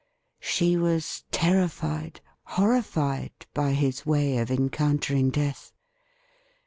She was terrified — ^horrified — by his way of encountering death.